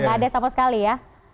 nggak ada sama sekali ya